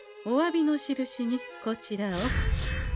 おわびの印にこちらを。